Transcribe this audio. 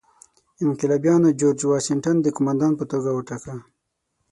انقلابیانو جورج واشنګټن د قوماندان په توګه وټاکه.